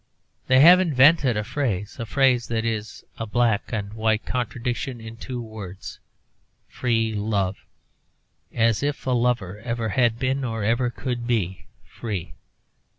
They have invented a phrase, a phrase that is a black and white contradiction in two words 'free love' as if a lover ever had been, or ever could be, free.